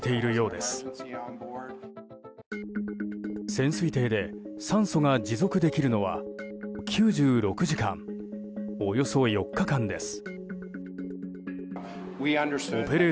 潜水艇で酸素が持続できるのは９６時間、およそ４日間です。